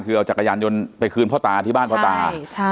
คือเอาจักรยานยนต์ไปคืนพ่อตาที่บ้านพ่อตา